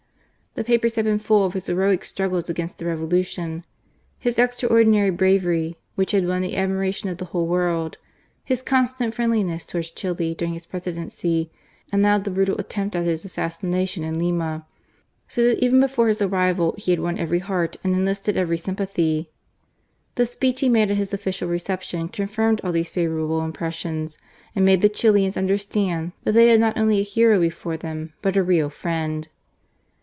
The papers had been full of his heroic struggles against the Revolution ; his extraordinary bravery, which had won the admiration of the whole world ; his constant friendliness towards Chili during his Presidency ; and now the brutal attempt at his assassination in Lima ; so that even before his arrival he had won every heart and enlisted every sympathy. The speech he made at his official reception confirmed all these favourable impressions and made the Chilians understand that they had not only a hero before them, but a real firiend.